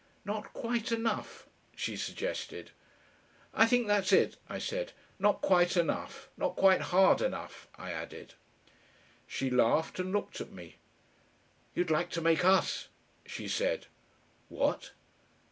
"Not quite enough," she suggested. "I think that's it," I said. "Not quite enough not quite hard enough," I added. She laughed and looked at me. "You'd like to make us," she said. "What?"